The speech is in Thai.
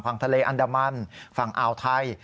ฝั่งทะเลอันดามันฝั่งอ่าวไทย